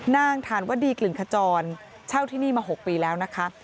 นางฐานวดีกึ่งขจรเช่าที่นี่มา๖ปีแล้วนะคะ